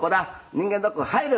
「人間ドック入る。